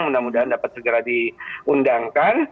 mudah mudahan dapat segera diundangkan